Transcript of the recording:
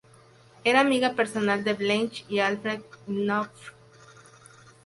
Era amiga personal de Blanche y Alfred Knopf.